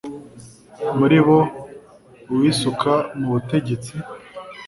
muri bo uwisuka mu butegetsi